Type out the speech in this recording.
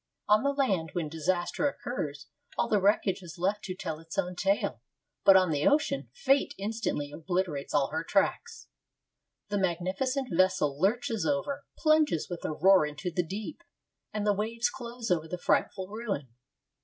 On the land, when disaster occurs, all the wreckage is left to tell its own tale; but on the ocean Fate instantly obliterates all her tracks. The magnificent vessel lurches over, plunges with a roar into the deep, and the waves close over the frightful ruin.